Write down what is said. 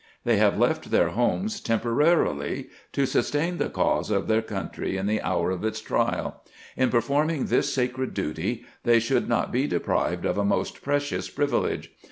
They have left their homes temporarily, to sustain the cause of their country in the hour of its trial. In performing this sacred duty, they should not be deprived of a most precious privilege.